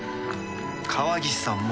川岸さんも。